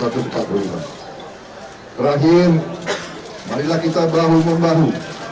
terakhir marilah kita bahu membahu